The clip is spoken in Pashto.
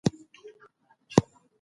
فطري استعداد یې ابدي دی